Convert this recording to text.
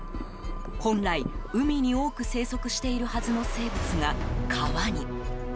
本来海に多く生息しているはずの生物が、川に。